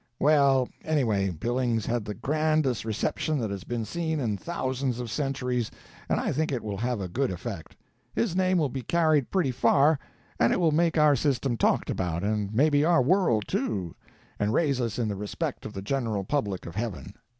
Well, anyway, Billings had the grandest reception that has been seen in thousands of centuries, and I think it will have a good effect. His name will be carried pretty far, and it will make our system talked about, and maybe our world, too, and raise us in the respect of the general public of heaven.